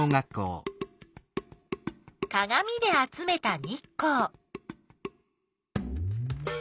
かがみで集めた日光。